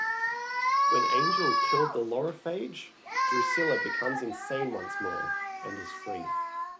When Angel killed the Lorophage, Drusilla becomes insane once more, and is free.